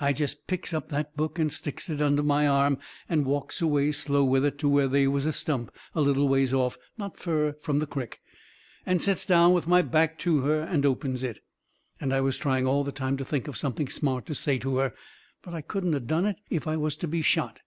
I jest picks up that book and sticks it under my arm and walks away slow with it to where they was a stump a little ways off, not fur from the crick, and sets down with my back to her and opens it. And I was trying all the time to think of something smart to say to her. But I couldn't of done it if I was to be shot.